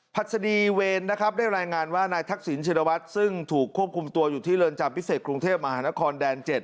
หัสดีเวรนะครับได้รายงานว่านายทักษิณชินวัฒน์ซึ่งถูกควบคุมตัวอยู่ที่เรือนจำพิเศษกรุงเทพมหานครแดน๗